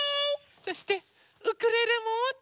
そしてウクレレももった。